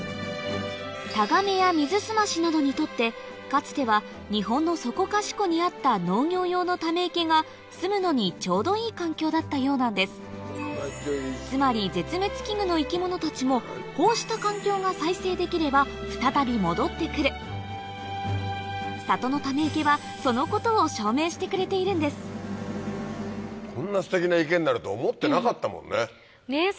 タガメやミズスマシなどにとってかつては日本のそこかしこにあった農業用のため池がすむのにちょうどいい環境だったようなんですつまり絶滅危惧の生き物たちもこうした環境が再生できれば再び戻って来る里のため池はそのことを証明してくれているんですこんなステキな池になると思ってなかったもんね。